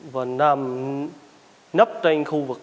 và nắm trên khu vực